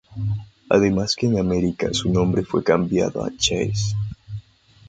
Además que en america su nombre fue cambiado a chase.